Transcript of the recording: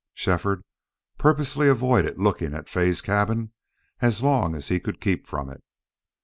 Shefford purposely avoided looking at Fay's cabin as long as he could keep from it.